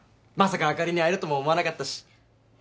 まさかあかりに会えるとも思わなかったし。